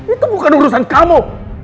itu bukan urusan kamu